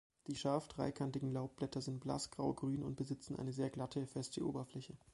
Die scharf dreikantigen Laubblätter sind blass graugrün und besitzen eine sehr glatte, feste Oberfläche.